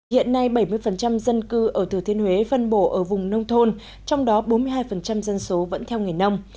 hiện nay bảy mươi dân cư ở thừa thiên huế phân bổ ở vùng nông thôn trong đó bốn mươi hai dân số vẫn theo nghề nông